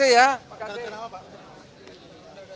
itu udah masuk kenapa bener pak ya